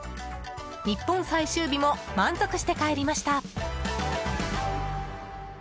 日本最終日も満足して帰りました。